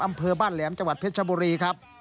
อำเภอบ้านแหลมจังหวัดเพชรชบุรีครับ